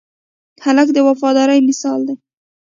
هلک د وفادارۍ مثال دی.